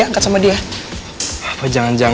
akan saya jagain